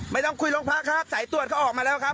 ไม่ต้องคุยโรงพักครับสายตรวจเขาออกมาแล้วครับ